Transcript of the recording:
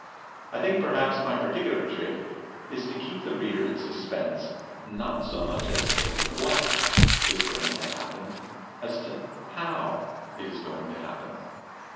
"I think perhaps my particular trick is to keep the reader in suspense not so much as to what is going to happen as to how it is going to happen.